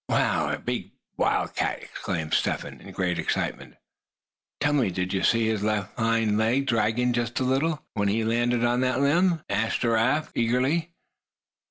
"Wow! a big wildcat!" exclaimed Step Hen, in great excitement. "Tell me, did you see his left hind leg drag just a little, when he landed on that limb?" asked Giraffe, eagerly.